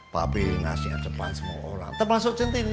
papi ngasih hadapan semua orang termasuk centini